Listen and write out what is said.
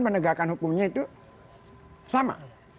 penegakan hukumnya itu sama